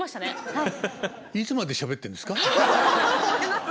はい。